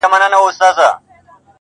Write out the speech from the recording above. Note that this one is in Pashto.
رب دي سپوږمۍ كه چي رڼا دي ووينمه.